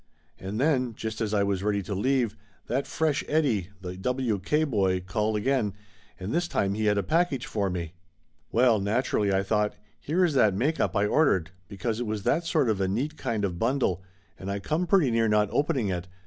And then just as I was ready to leave, that fresh Eddie, the w.k. call boy, called again, and this time he had a pack age for me. 183 184 Laughter Limited Well, naturally I thought "Here is that make up I ordered," because it was that sort of a neat kind of bundle, and I come pretty near not opening it.